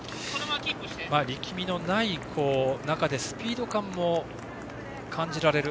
力みのない中でスピード感も感じられる。